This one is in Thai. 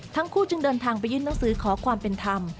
ทั้งคู่จึงเดินทางไปยื่นหนังสือขอความเป็นธรรม